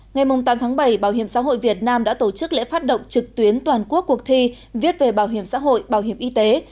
ngày tám tháng bảy bảo hiểm xã hội việt nam đã tổ chức lễ phát động trực tuyến toàn quốc cuộc thi viết về bảo hiểm xã hội bảo hiểm y tế